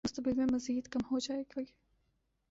مستقبل میں مزید کم ہو جائے گی